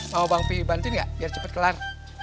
mau bang fy bantu nggak biar cepet kelar